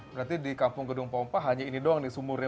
berarti di kampung gedung pompa hanya ini doang nih sumurnya